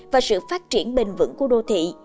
và sự phát triển bền vững của đô thị